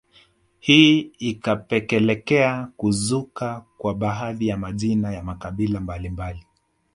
Hii ikapekelekea kuzuka kwa baadhi ya majina ya makabila mbalimbali